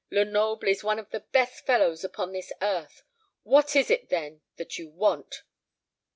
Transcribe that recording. Lenoble is one of the best fellows upon this earth. What is it, then, that you want?"